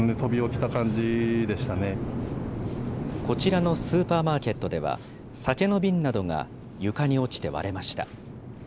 こちらのスーパーマーケットでは、酒の瓶などが床に落ちて割れました。